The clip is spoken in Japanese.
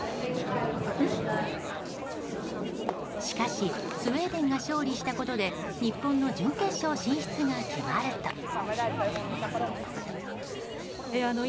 しかしスウェーデンが勝利したことで日本の準決勝進出が決まると。